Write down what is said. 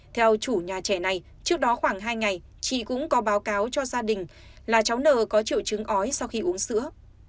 theo chủ nhà trẻ này trước đó khoảng hai ngày chị cũng có báo cáo cho gia đình là cháu nờ có triệu chứng ói sau khi uống sữa